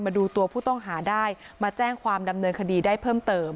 มาดูตัวผู้ต้องหาได้มาแจ้งความดำเนินคดีได้เพิ่มเติม